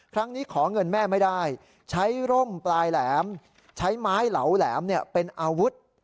ขอเงินแม่ไม่ได้ใช้ร่มปลายแหลมใช้ไม้เหลาแหลมเป็นอาวุธ